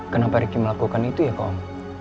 kenapa rikyu melakukan itu ya om